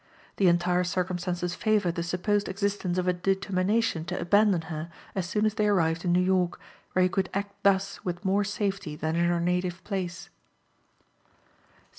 The entire circumstances favor the supposed existence of a determination to abandon her as soon as they arrived in New York, where he could act thus with more safety than in her native place.